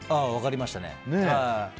分かりましたね。